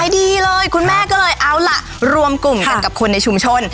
ดีเลยคุณแม่ก็เลยเอาล่ะรวมกลุ่มกันกับคนในชุมชน